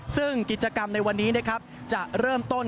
ซึ่งกิจกรรมในวันนี้จะเริ่มต้น